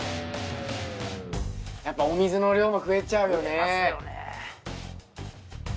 やっぱお水の量も増えちゃうよね。